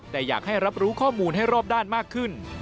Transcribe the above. แต่อยากให้รับรู้ข้อมูลให้รอบด้านมากขึ้น